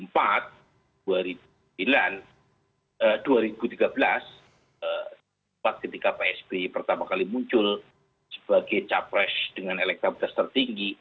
pada ketika psb pertama kali muncul sebagai capres dengan elektabilitas tertinggi